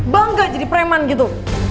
bangga jadi preman gitu